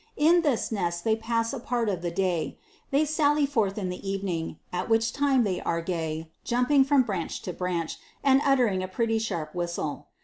In this nest they pass a part of the day : they sally forth in the evening, at which time they are gay, jumping from branch to branch, and uttering a pretty sharp whistle.